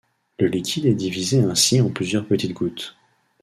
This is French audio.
Le liquide est divisé ainsi en plusieurs petites gouttes.